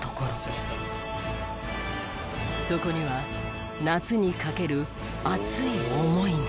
そこには夏にかける熱い思いが。